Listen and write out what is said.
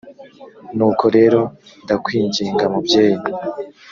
nuko rero ndakwinginga mubyeyi